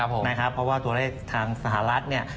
เพราะว่าตัวเลขทางสหรัฐเนี่ย